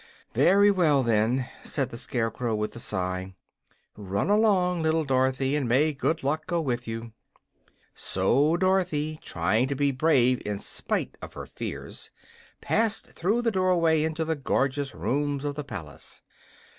"Very well, then," said the Scarecrow, with a sigh. "Run along, little Dorothy, and may good luck go with you!" So Dorothy, trying to be brave in spite of her fears, passed through the doorway into the gorgeous rooms of the palace.